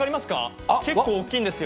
結構大きいんですよ。